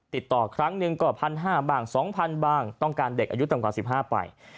ติดต่อครั้งหนึ่งก็๑๕๐๐บ้าง๒๐๐บ้างต้องการเด็กอายุต่ำกว่า๑๕ไป